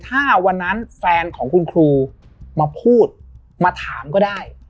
ถ้าวันนั้นแฟนของคุณครูมาพูดมาถามก็ได้